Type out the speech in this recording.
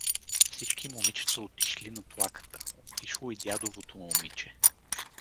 Всички момичета отишли на тлаката, отишло и дядовото момиче.